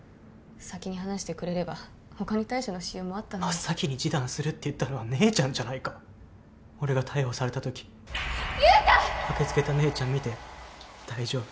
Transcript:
先に話してくれれば他に対処のしようもあったのに真っ先に示談するって言ったのは姉ちゃんじゃないか俺が逮捕された時駆けつけた姉ちゃん見て大丈夫